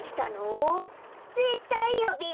ぜったいよべ。